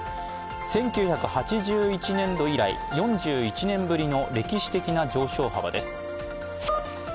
１９８１年度以来４１年ぶりの歴史的な上昇幅です。